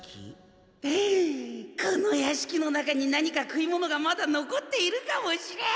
この屋敷の中に何か食い物がまだ残っているかもしれん。